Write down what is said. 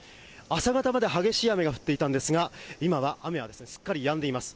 朝方まで激しい雨が降っていたんですが、今は雨はすっかりやんでいます。